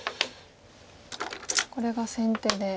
これが先手で。